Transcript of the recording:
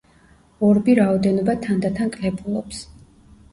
ორბი რაოდენობა თანდათან კლებულობს.